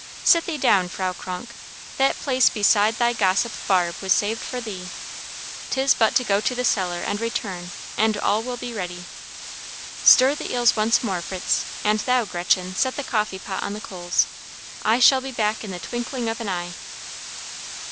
"Sit thee down, Frau Kronk. That place beside thy gossip Barbe was saved for thee. 'Tis but to go to the cellar and return, and all will be ready. Stir the eels once more, Fritz; and thou, Gretchen, set the coffee pot on the coals. I shall be back in the twinkling of an eye."